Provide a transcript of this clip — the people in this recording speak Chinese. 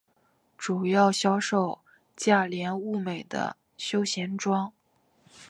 主要销售价廉物美的休闲装。